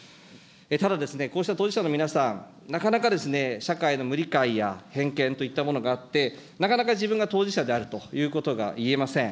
ただ、こうした当事者の皆さん、なかなか社会の無理解や偏見といったものがあって、なかなか自分が当事者であるということが言えません。